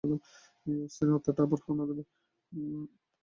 এই অস্থির আত্মাটা আবারো হানা দেবে।